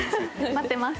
「待ってます」。